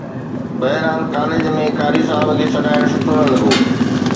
بهرحال ڪاليج ۾ قاري صاحب کي سڏائڻ سٺو نه لڳو